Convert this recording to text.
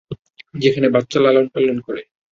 যেখানে বাচ্চা লালনপালন করে।